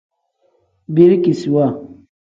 Birikisiwa.